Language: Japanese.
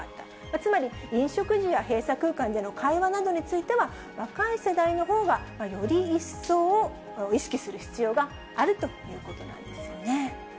つまり飲食時や閉鎖空間での会話などについては、若い世代のほうが、より一層意識する必要があるということなんですよね。